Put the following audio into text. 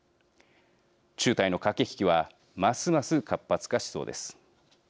中台の駆け引きはますます活発化しそうです。